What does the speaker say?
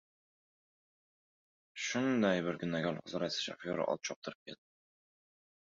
Shunday bir kunda kolxoz raisi shofyori ot choptirib keldi.